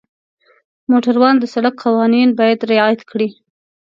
موټروان د سړک قوانین باید رعایت کړي.